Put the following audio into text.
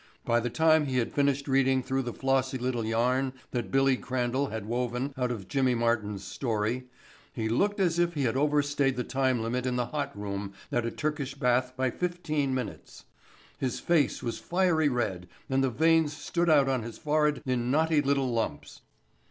By the time he had finished reading through the flossy little yarn that Billy Crandall had woven out of Jimmy Martin's story, he looked as if he had overstayed the time limit in the hot room at a Turkish bath by fifteen minutes. His face was fiery red and the veins stood out on his forehead in knotty little lumps.